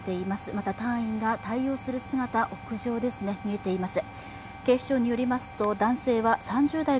また、隊員が対応する姿、屋上に見えています。